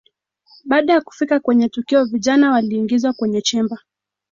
Baada ya kufika kwenye tukio vijana waliingizwa kwenye chemba